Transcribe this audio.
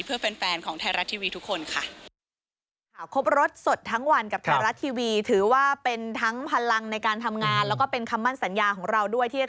เพื่อแฟนของไทยรัฐทีวีทุกคนค่ะ